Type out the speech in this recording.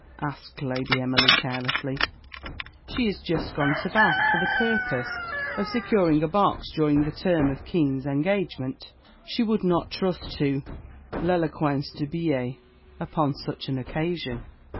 asked Lady Emily carelessly. "She is just gone to Bath for the purpose of securing a box during the term of Kean's engagement; she would not trust to l'éloquence du billet upon such an occasion."